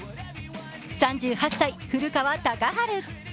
３８歳、古川高晴。